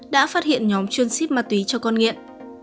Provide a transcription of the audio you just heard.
đã phát hiện nhóm chuyên ship ma túy cho con nghiện